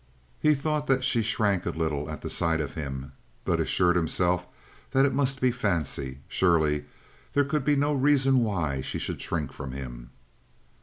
He thought that she shrank a little at the sight of him, but assured himself that it must be fancy; surely there could be no reason why she should shrink from him.